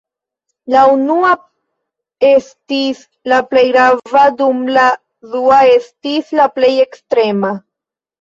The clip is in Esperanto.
La unua estis la plej grava dum la dua estis la plej ekstrema.